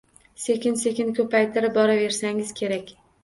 Sekin-sekin koʻpaytirib boraversangiz kerak